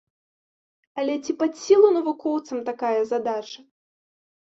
Але ці пад сілу навукоўцам такая задача?